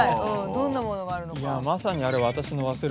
どんなものがあるのか。